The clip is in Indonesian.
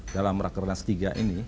dalam rakernas tiga ini